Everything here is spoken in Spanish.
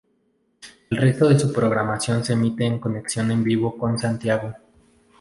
El resto de su programación se emite en conexión en vivo con Santiago.